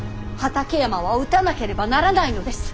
畠山は討たなければならないのです。